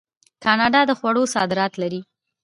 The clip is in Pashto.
کاناډا د خوړو صادرات لري.